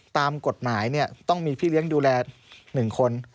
ตามกฎหมายต้องมีพี่เลี้ยงดูแล๑คน